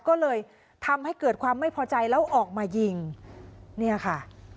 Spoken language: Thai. ก็เลยทำให้เกิดความไม่พอใจแล้วออกมายิงเนี่ยค่ะ